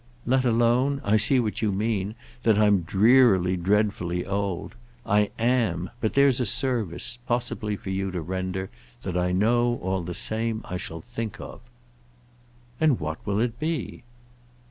"Let alone—I see what you mean—that I'm drearily dreadfully old. I am, but there's a service—possible for you to render—that I know, all the same, I shall think of." "And what will it be?"